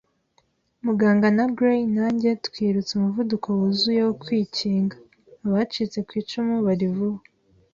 Muganga na Gray nanjye twirutse umuvuduko wuzuye wo kwikinga. Abacitse ku icumu bari vuba